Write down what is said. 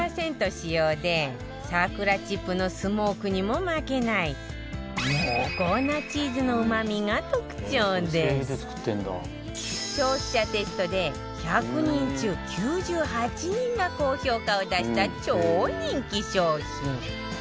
使用で桜チップのスモークにも負けない濃厚なチーズのうまみが特徴で消費者テストで１００人中９８人が高評価を出した超人気商品